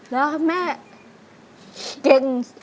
แล้วแม่เก่ง